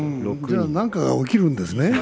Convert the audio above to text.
何か起きるんですね。